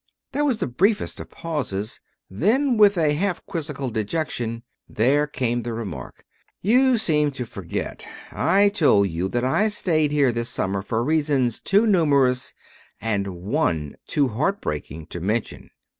There was the briefest of pauses; then with a half quizzical dejection, there came the remark: "You seem to forget. I told you that I stayed here this summer for reasons too numerous, and one too heart breaking, to mention.